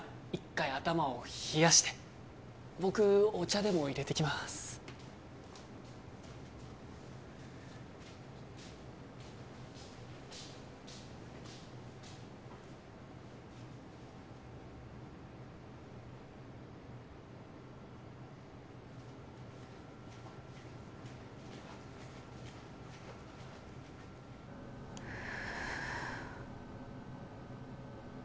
回頭を冷やして僕お茶でもいれてきますふう